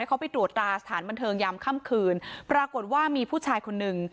เขาไปตรวจราสถานบันเทิงยามค่ำคืนปรากฏว่ามีผู้ชายคนหนึ่ง